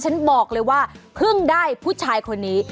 ฉันบอกเลยว่าเพิ่งได้ผู้ชายคนนี้